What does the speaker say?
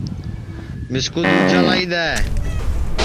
مِسکُو دؔوجا لائی دؔے